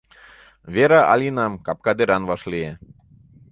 — Вера Алинам капка деран вашлие.